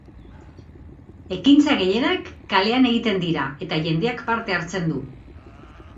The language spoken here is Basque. Ekintza gehienak kalean egiten dira, eta jendeak parte hartzen du.